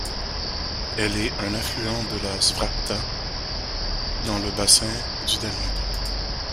Elle est un affluent de la Svratka dans le bassin du Danube.